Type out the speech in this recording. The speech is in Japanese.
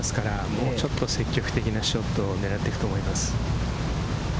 もうちょっと積極的なショットを狙っていくと思います。